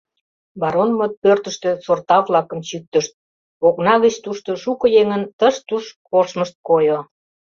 Баронмыт пӧртыштӧ сорта-влакым чӱктышт, окна гыч тушто шуко еҥын тыш-туш коштмышт койо.